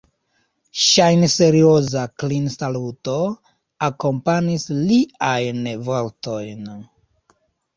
Ŝajnserioza klinsaluto akompanis liajn vortojn.